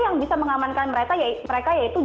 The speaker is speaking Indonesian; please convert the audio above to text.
yang bisa mengamankan mereka mereka yaitu